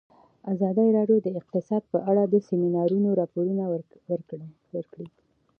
ازادي راډیو د اقتصاد په اړه د سیمینارونو راپورونه ورکړي.